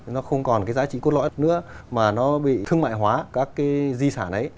nó không còn cái giá trị cốt lõi nữa mà nó bị thương mại hóa các cái di sản đấy